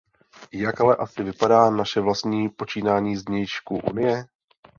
Jak ale asi vypadá naše vlastní počínání z vnějšku Unie?